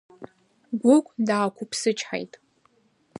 Гәыгә даақәԥсычҳаит.